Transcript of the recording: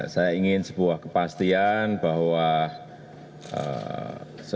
saya ingin sebuah kepastian bahwa sesuai dengan jadwal